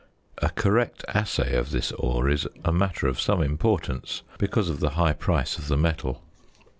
A correct assay of this ore is a matter of some importance, because of the high price of the metal.